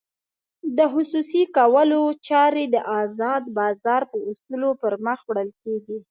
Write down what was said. د خصوصي کولو چارې د ازاد بازار په اصولو پرمخ وړل کېږي.